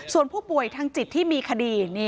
ส่วนผู้ป่วยทางจิตที่มีคดี